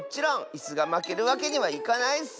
いすがまけるわけにはいかないッス！